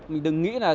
mình đừng nghĩ là sao